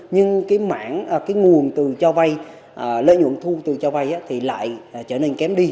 nhưng cái mảng cái nguồn từ cho vay lợi nhuận thu từ cho vay thì lại trở nên kém đi